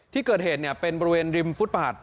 ที่เกิดเหตุเป็นบริเวณริมฟุตบาท